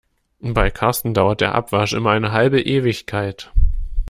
Bei Karsten dauert der Abwasch immer eine halbe Ewigkeit.